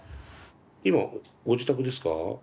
今ご自宅ですか？